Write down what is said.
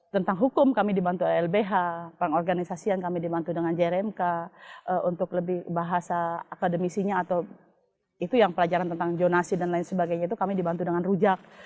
tentang hukum kami dibantu lbh pengorganisasian kami dibantu dengan jrmk untuk lebih bahasa akademisinya atau itu yang pelajaran tentang jonasi dan lain sebagainya itu kami dibantu dengan rujak